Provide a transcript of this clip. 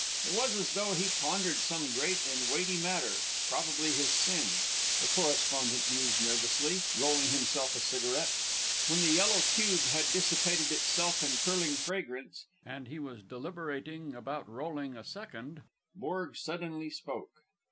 It was as though he pondered some great and weighty matter probably his sins, the correspondent mused nervously, rolling himself a cigarette. When the yellow cube had dissipated itself in curling fragrance, and he was deliberating about rolling a second, Borg suddenly spoke.